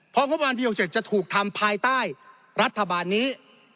เพราะงบประมาณปี๖๗จะถูกทำภายใต้รัฐบาลนี้